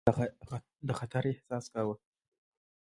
د خطر احساس کاوه.